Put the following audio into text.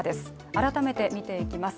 改めて見ていきます。